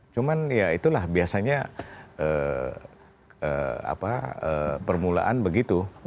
cuman ya itulah biasanya permulaan begitu